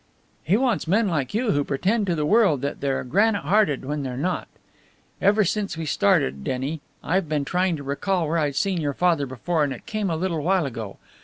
"He wants men like you who pretend to the world that they're granite hearted when they're not. Ever since we started, Denny, I've been trying to recall where I'd seen your father before; and it came a little while ago.